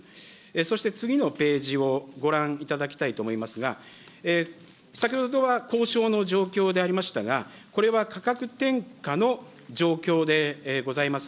そして次のページをご覧いただきたいと思いますが、先ほどは交渉の状況でありましたが、これは価格転嫁の状況でございます。